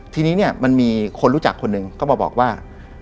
ทีนี้มันมีคนรู้จักคนหนึ่งก็บอกว่า